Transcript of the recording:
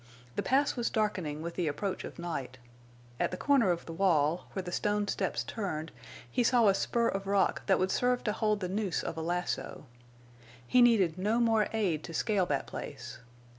The pass was darkening with the approach of night. At the corner of the wall, where the stone steps turned, he saw a spur of rock that would serve to hold the noose of a lasso. He needed no more aid to scale that place.